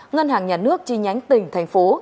ngân hàng nhà nước chi nhánh tỉnh thành phố